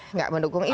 enggak mendukung itu